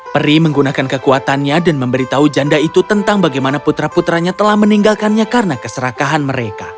peri menggunakan kekuatannya dan memberitahu janda itu tentang bagaimana putra putranya telah meninggalkannya karena keserakahan mereka